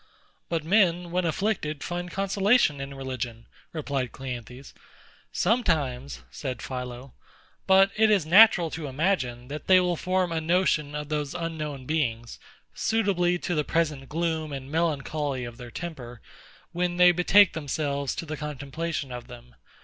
But men, when afflicted, find consolation in religion, replied CLEANTHES. Sometimes, said PHILO: but it is natural to imagine, that they will form a notion of those unknown beings, suitably to the present gloom and melancholy of their temper, when they betake themselves to the contemplation of them.